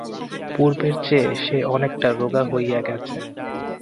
পূর্বের চেয়ে সে অনেকটা রোগা হইয়া গেছে।